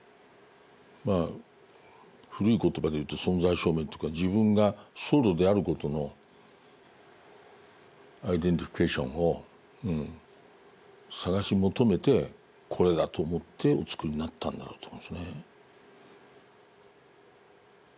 古い言葉で言うと存在証明というか自分が僧侶であることのアイデンティフィケーションを探し求めてこれだと思ってお作りになったんだろうと思うんですね。